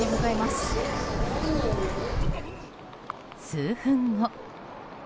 数分後。